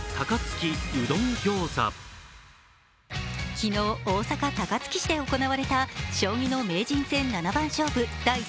機能、大阪高槻市で行われた将棋の名人戦七番勝負。